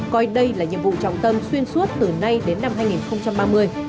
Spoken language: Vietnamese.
coi đây là nhiệm vụ trọng tâm xuyên suốt từ nay đến năm hai nghìn ba mươi